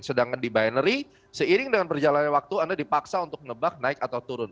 sedangkan di binary seiring dengan perjalanan waktu anda dipaksa untuk nebak naik atau turun